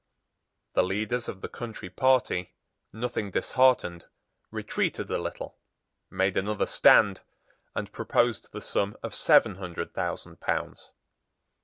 The leaders of the country party, nothing disheartened, retreated a little, made another stand, and proposed the sum of seven hundred thousand pounds.